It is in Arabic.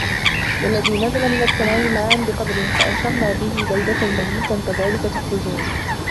والذي نزل من السماء ماء بقدر فأنشرنا به بلدة ميتا كذلك تخرجون